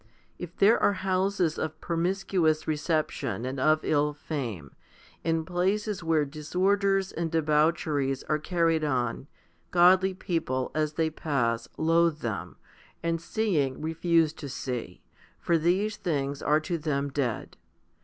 If there are houses of promiscuous reception and of ill fame, and places where disorders and debaucheries are carried on godly people, as they pass, loathe them, and seeing refuse to see, for these things are to them dead.